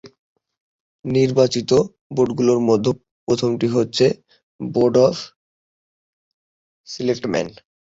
নির্বাচিত বোর্ডগুলির মধ্যে প্রথমটি হচ্ছে বোর্ড অব সিলেক্টম্যান।